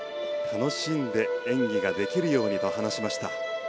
楽しんで演技ができるようにと話しました。